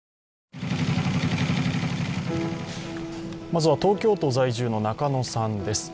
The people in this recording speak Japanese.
まずは、東京都在住の中野さん手す。